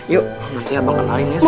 yuk nanti abang kenalin ya